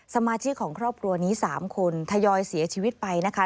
สมาชิกของครอบครัวนี้๓คนทยอยเสียชีวิตไปนะคะ